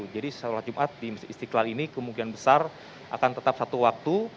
jadi sholat jumat di masjid istiqlal ini kemungkinan besar akan tetap satu waktu